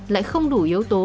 lại không đủ yếu tố